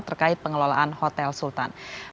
terkait pengelolaan hotel sultan